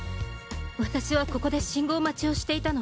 私はここで信号待ちをしていたの。